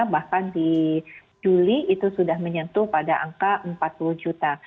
bahkan di juli itu sudah menyentuh pada angka empat puluh juta